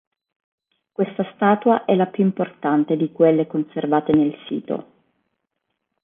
Questa statua è la più importante di quelle conservate nel sito.